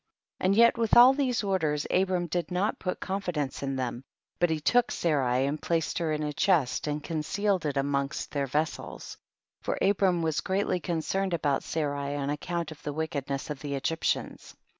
7. And yet with all these orders Abram did not put confidence in them, but he took Sarai and placed her in a chest and concealed it amongst their vessels, for Abram was greatly concerned about Sarai on account of the wickedness of the Egyptians.